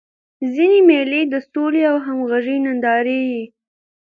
ځيني مېلې د سولي او همږغۍ نندارې يي.